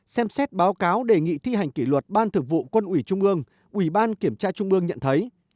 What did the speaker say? xem xét báo cáo đề nghị thi hành kỷ luật ban thường vụ quân ủy trung ương ủy ban kiểm tra trung ương nhận thấy